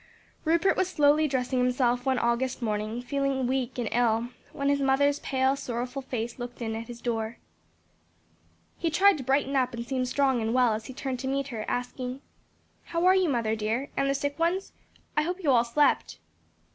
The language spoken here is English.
Rupert was slowly dressing himself one August morning, feeling weak and ill, when his mother's pale, sorrowful face looked in at his door. He tried to brighten up and seem strong and well as he turned to meet her, asking, "How are you, mother dear? and the sick ones? I hope you all slept."